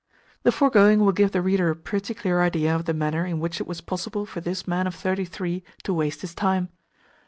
The foregoing will give the reader a pretty clear idea of the manner in which it was possible for this man of thirty three to waste his time.